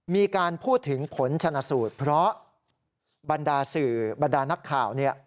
มีการพูดถึงผลชนะสูตรเพราะบรรดาสื่อบรรดานักข่าวเนี่ย